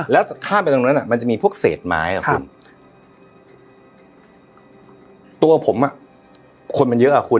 แล้วข้ามไปตรงนั้นอ่ะมันจะมีพวกเศษไม้อ่ะคุณตัวผมอ่ะคนมันเยอะอ่ะคุณ